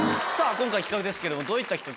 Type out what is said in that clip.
今回の企画ですけれどもどういった企画を？